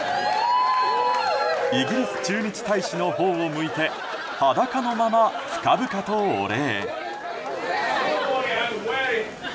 イギリス駐日大使のほうを向いて裸のまま、深々とお礼。